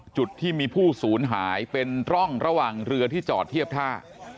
จุดที่มีผู้สูญหายเป็นร่องระหว่างเรือที่จอดเทียบท่า